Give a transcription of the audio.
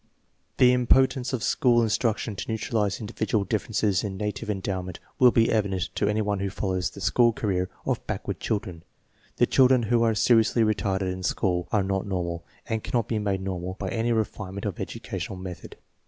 The impotence of school instruction to neutralize indi vidual differences in native endowment will be evident to any one who follows the school career of backward chil dren. The children who are seriously retarded in school are not normal, and cannot be made normal by any refine ment of educational method.